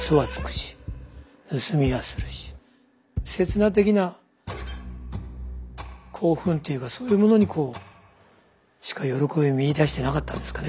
刹那的な興奮というかそういうものにしか喜びを見いだしてなかったんですかね